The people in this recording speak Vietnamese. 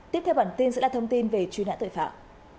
tiếp theo bản tin sẽ là thông tin về truy nã tội phạm